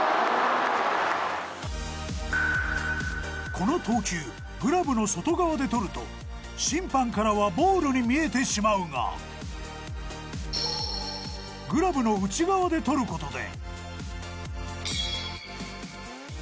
この投球グラブの外側で捕ると審判からはボールに見えてしまうがグラブの内側で捕る事で。